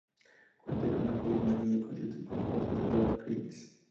Cuenta con un programa de conciertos y un concurso de ""drag queens"".